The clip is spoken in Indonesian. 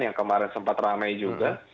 yang kemarin sempat ramai juga